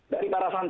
dari para santri